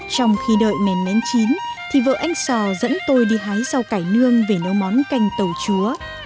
trong khi đợi mén mén chín thì vợ anh sò dẫn tôi đi hái rau cải nương về nấu món canh tẩu chúa